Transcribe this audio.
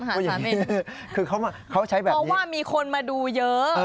ว่าอย่างนี้คือเขาใช้แบบนี้เพราะว่ามีคนมาดูเยอะ